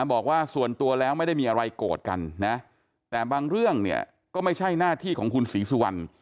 บอกว่าส่วนตัวแล้วไม่ได้มีอะไรโกรธกันนะแต่บางเรื่องเนี่ยก็ไม่ใช่หน้าที่ของคุณศรีสุวรรณ